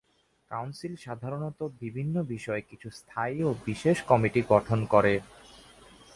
Council সাধারণত বিভিন্ন বিষয়ে কিছু স্থায়ী ও বিশেষ কমিটি গঠন করে।